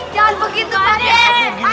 jangan begitu wadih